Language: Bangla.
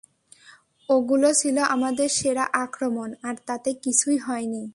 ওগুলো ছিল আমাদের সেরা আক্রমণ, আর তাতে কিছুই হয়নি!